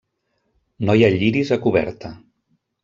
No hi ha lliris a coberta.